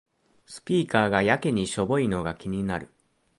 スピーカーがやけにしょぼいのが気になる